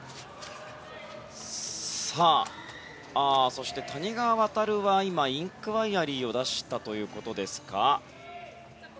そして、谷川航は今インクワイアリーを出したということですか。